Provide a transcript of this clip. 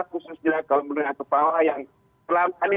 khususnya kebanyakan kepala yang telah mencari